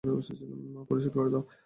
পরিশোধ করে দাও।